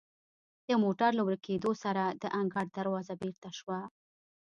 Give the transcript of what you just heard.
د موټر له ورو کیدو سره د انګړ دروازه بیرته شوه.